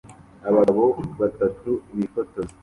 abagabo batatu bifotoza